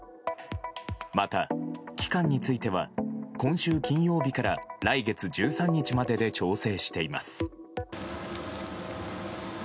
また、期間については今週金曜日から来月１３日までで調整しています。